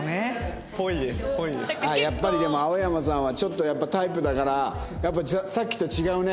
やっぱりでも青山さんはちょっとタイプだからさっきと違うね。